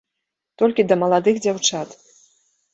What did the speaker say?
Толькі да маладых дзяўчат.